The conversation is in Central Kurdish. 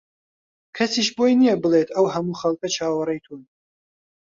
کەسیش بۆی نییە بڵێت ئەو هەموو خەڵکە چاوەڕێی تۆن